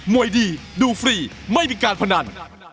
วยดีดูฟรีไม่มีการพนัน